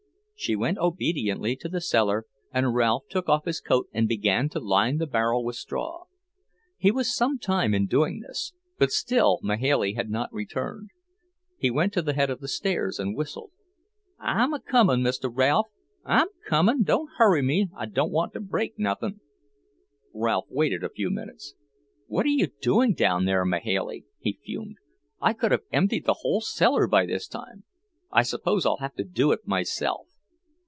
She went obediently to the cellar, and Ralph took off his coat and began to line the barrel with straw. He was some time in doing this, but still Mahailey had not returned. He went to the head of the stairs and whistled. "I'm a comin', Mr. Ralph, I'm a comin'! Don't hurry me, I don't want to break nothin'." Ralph waited a few minutes. "What are you doing down there, Mahailey?" he fumed. "I could have emptied the whole cellar by this time. I suppose I'll have to do it myself."